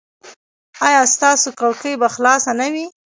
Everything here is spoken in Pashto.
ایا ستاسو کړکۍ به خلاصه نه وي؟